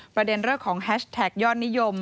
ประเด็นเรื่องของแฮชแท็กยอดนิยม